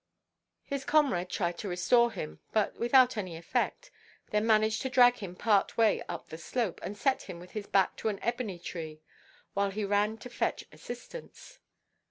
His comrade tried to restore him, but without any effect, then managed to drag him part way up the slope, and set him with his back to an ebony–tree, while he ran to fetch assistance.